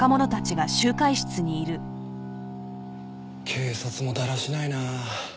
警察もだらしないな。